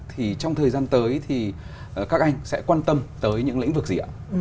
thì trong thời gian tới thì các anh sẽ quan tâm tới những lĩnh vực gì ạ